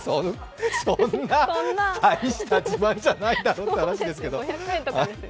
大した自慢じゃないだろって話ですけれども。